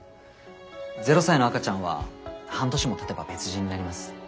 ０歳の赤ちゃんは半年もたてば別人になります。